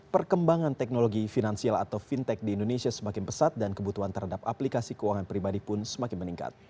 perkembangan teknologi finansial atau fintech di indonesia semakin pesat dan kebutuhan terhadap aplikasi keuangan pribadi pun semakin meningkat